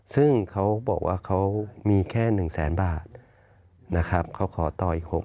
ซึ่งเขาก็บอกว่ามีแค่๑แสนบาท